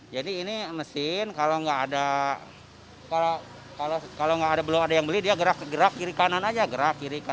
jadi ini mesin kalau belum ada yang beli dia gerak gerak kiri kanan aja